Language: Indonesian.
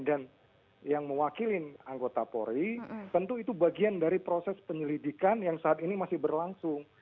dan yang mewakilin anggota pori tentu itu bagian dari proses penyelidikan yang saat ini masih berlangsung